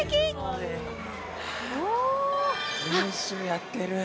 練習やってる。